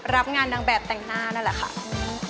รับงานนางแบบแต่งหน้านั่นแหละค่ะ